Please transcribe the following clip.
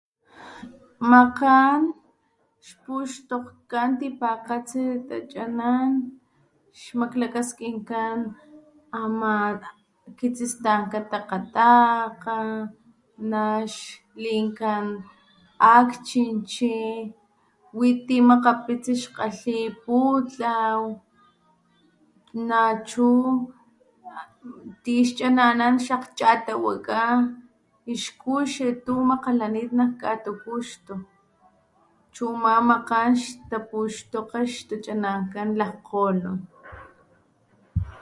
Makgan xpuxtokgkan tipakgatsi tachanan xmaklakaskikan ama kistanka takgatakga, naxlinkan akchinchi, witi makgapitsi xkgalhi putlaw nachu tixchananan xakgchatawakga xkuxi tu makgalanit nak katukuxtu chu ama makgan xtapuxtokga lakgkgolon